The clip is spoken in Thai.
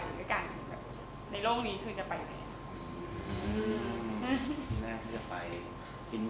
อยู่กันในโลกนี้คือจะไปไหน